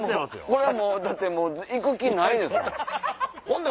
これはもうだってもう行く気ないですもん。